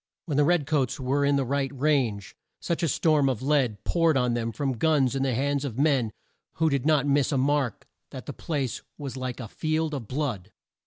When the red coats were in the right range, such a storm of lead poured on them from guns in the hands of men who did not miss a mark that the place was like a field of blood.